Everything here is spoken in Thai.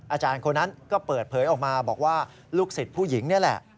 อาจารย์คนนั้นก็เปิดเผยออกมาบอกว่าลูกศิษย์ผู้หญิงนี่แหละ